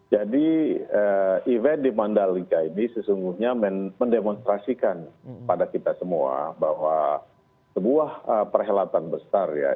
jadi event di mandalika ini sesungguhnya mendemonstrasikan pada kita semua bahwa sebuah perhelatan besar ya